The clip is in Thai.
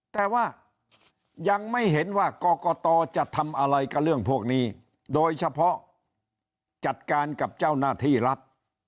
แต่ว่ายังไม่เห็นว่ากรกตจะทำอะไรกับเรื่องพวกนี้โดยเฉพาะจัดการกับเจ้าหน้าที่รัฐ